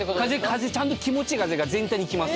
風ちゃんと気持ちいい風が全体に来ます